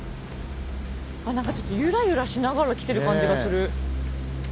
あっなんかちょっとゆらゆらしながら来てる感じがする。